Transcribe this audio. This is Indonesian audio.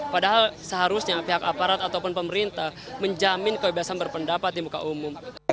padahal seharusnya pihak aparat ataupun pemerintah menjamin kebebasan berpendapat di muka umum